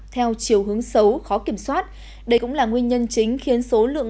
theo chiều hướng xấu khó kiểm soát đây cũng là nguyên nhân chính khiến số lượng